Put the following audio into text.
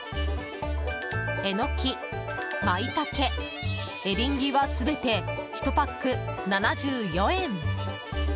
エノキ、マイタケ、エリンギは全て１パック７４円。